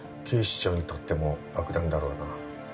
警視庁にとっても爆弾だろうな。